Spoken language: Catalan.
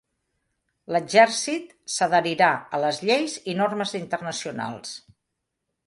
L'exèrcit s'adherirà a les lleis i normes internacionals.